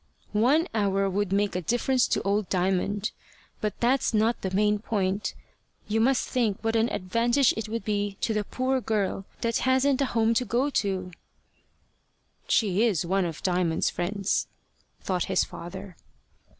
"One hour would make a difference to old Diamond. But that's not the main point. You must think what an advantage it would be to the poor girl that hasn't a home to go to!" "She is one of Diamond's friends," thought his father.